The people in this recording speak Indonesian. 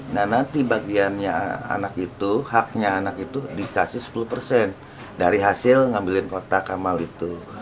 nanti bagiannya anak itu haknya anak itu dikasih sepuluh dari hasil ngambilin kota kamar itu